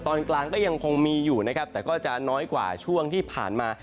ตอนกลางก็ยังคงมีอยู่นะครับแต่ก็จะน้อยกว่าช่วงที่ผ่านมา